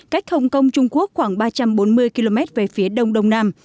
cách hồng kông trung quốc khoảng ba trăm bốn mươi km về phía đông đông nam